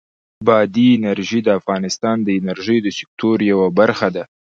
بادي انرژي د افغانستان د انرژۍ د سکتور یوه برخه ده.